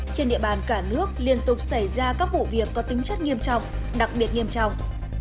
trên địa bàn cả nước liên tục xảy ra các vụ việc có tính chất nghiêm trọng đặc biệt nghiêm trọng